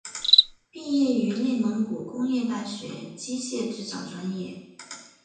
毕业于内蒙古工业大学机械制造专业。